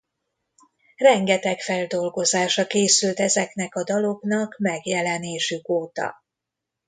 Rengeteg feldolgozása készült ezeknek a daloknak megjelenésük óta.